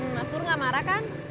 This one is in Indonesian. mas pur nggak marah kan